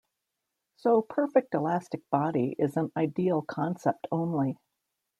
So perfect elastic body is an ideal concept only.